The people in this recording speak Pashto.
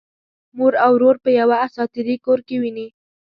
مور او ورور په یوه اساطیري کور کې ويني.